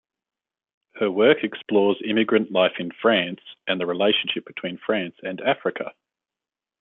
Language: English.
Her work explores immigrant life in France, and the relationship between France and Africa.